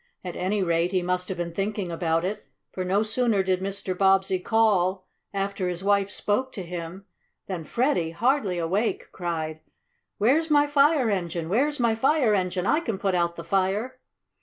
At any rate he must have been thinking about it, for, no sooner did Mr. Bobbsey call, after his wife spoke to him, than Freddie, hardly awake, cried: "Where's my fire engine? Where's my fire engine? I can put out the fire!"